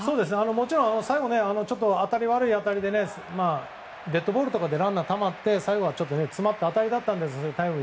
もちろん最後は悪い当たりでデッドボールとかでたまって最後、詰まった当たりだったんです。